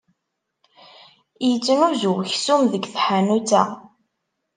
Yettnuzu weksum deg tḥanut-a.